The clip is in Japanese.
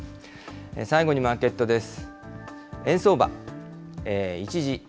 最後にマーケットです。